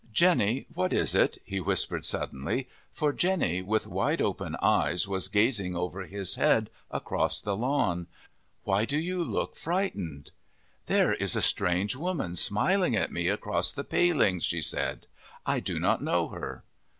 "Jenny, what is it?" he whispered suddenly. For Jenny, with wide open eyes, was gazing over his head, across the lawn. "Why do you look frightened?" "There is a strange woman smiling at me across the palings," she said. "I do not know her."